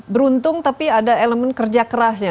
beruntung tapi ada elemen kerja kerasnya